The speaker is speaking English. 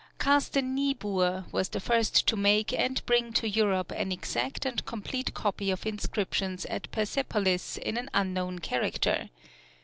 Carsten Niebuhr was the first to make and bring to Europe an exact and complete copy of inscriptions at Persepolis in an unknown character.